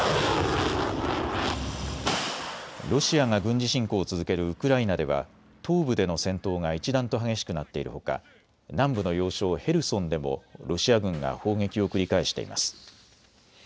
ロシアが軍事侵攻を続けるウクライナでは東部での戦闘が一段と激しくなっているほか、南部の要衝ヘルソンでもロシア軍が砲撃を繰り返しています。